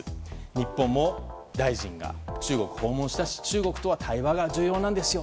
日本も大臣が中国を訪問したし中国とは対話が重要なんですよ。